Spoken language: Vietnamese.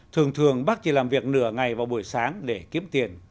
thường thường bác chỉ làm việc nửa ngày vào buổi sáng để kiếm tiền